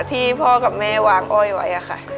ที่พ่อกับแม่วางอ้อยไว้ค่ะ